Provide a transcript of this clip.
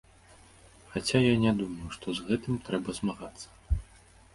Хаця я не думаю, што з гэтым трэба змагацца.